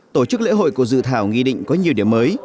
tổ chức lễ hội của dự thảo nghị định có nhiều điểm mới